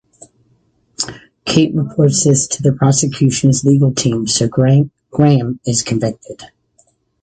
Kate reports this to the prosecution's legal team so Graham is convicted.